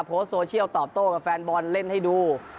โพสต์โซเชียลตอบโต้กับแฟนบอลเล่นให้ดู